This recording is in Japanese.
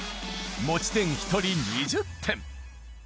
持ち点１人２０点。